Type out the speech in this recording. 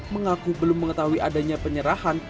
mengaku belum mengetahui adanya penyerahan